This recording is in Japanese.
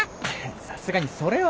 さすがにそれはねえわ。